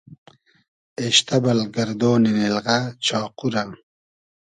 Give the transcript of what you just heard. اېشتۂ بئل گئردۉنی نیلغۂ چاقو رۂ